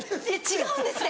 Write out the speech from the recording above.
違うんですって。